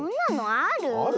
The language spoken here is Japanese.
ある？